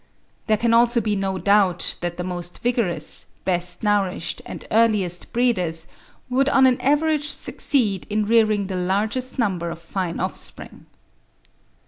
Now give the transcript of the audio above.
There can also be no doubt that the most vigorous, best nourished and earliest breeders would on an average succeed in rearing the largest number of fine offspring.